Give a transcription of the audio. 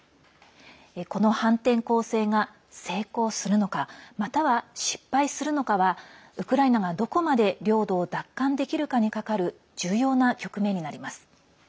この反転攻勢が成功するのかまたは、失敗するのかはウクライナがどこまで領土を奪還できるかにかかる重要な局面になります。